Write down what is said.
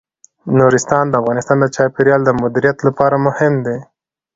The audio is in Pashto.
نورستان د افغانستان د چاپیریال د مدیریت لپاره مهم دي.